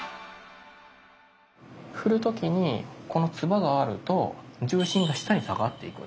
振る時にこの鐔があると重心が下に下がっていくんです。